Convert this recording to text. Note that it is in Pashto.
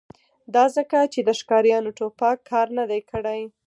دا ځکه چې د ښکاریانو ټوپک کار نه دی کړی